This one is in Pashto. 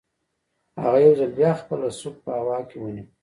هغه یو ځل بیا خپله سوک په هوا کې ونیو